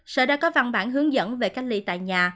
sở đã có văn bản hướng dẫn về cách ly tại nhà